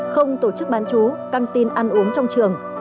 không tổ chức bán chú căng tin ăn uống trong trường